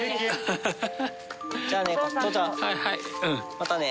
またね。